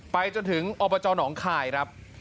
ไปจนถึงอบจหนองคายครับ